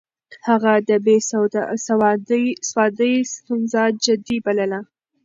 هغه د بې سوادۍ ستونزه جدي بلله.